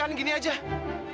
jangan juga berlawan delo